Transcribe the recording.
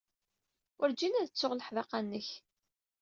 Werjin ad ttuɣ leḥdaqa-nnek.